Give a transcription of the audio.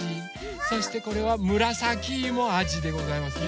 そしてこれはむらさきいもあじでございますね。